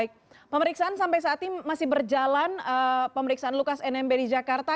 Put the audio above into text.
baik pemeriksaan sampai saat ini masih berjalan pemeriksaan lukas nmb di jakarta